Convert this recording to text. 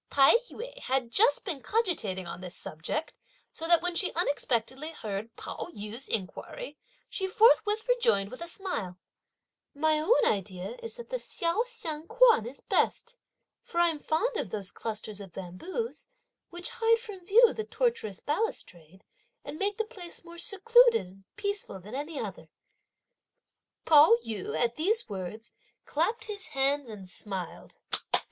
Tai yü had just been cogitating on this subject, so that when she unexpectedly heard Pao yü's inquiry, she forthwith rejoined with a smile: "My own idea is that the Hsio Hsiang Kuan is best; for I'm fond of those clusters of bamboos, which hide from view the tortuous balustrade and make the place more secluded and peaceful than any other!" Pao yü at these words clapped his hands and smiled.